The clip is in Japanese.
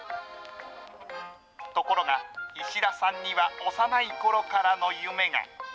ところが石田さんには幼いころからの夢が。